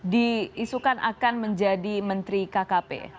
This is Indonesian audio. diisukan akan menjadi menteri kkp